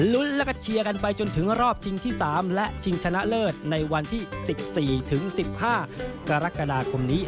ลุ้นแล้วก็เชียร์กันไปจนถึงรอบชิงที่๓และชิงชนะเลิศในวันที่๑๔ถึง๑๕กรกฎาคมนี้